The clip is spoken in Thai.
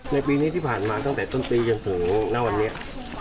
ปีนี้ที่ผ่านมาตั้งแต่ต้นปีจนถึงณวันนี้